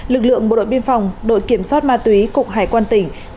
lực lượng bộ đội biên phòng đội kiểm soát ma túy cục hải quan tỉnh